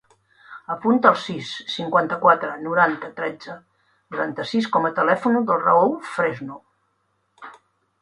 Apunta el sis, cinquanta-quatre, noranta, tretze, noranta-sis com a telèfon del Raül Fresno.